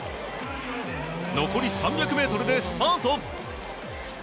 残り３００ｍでスパート。